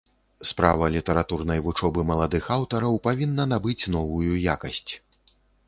Справа літаратурнай вучобы маладых аўтараў павінна набыць новую якасць.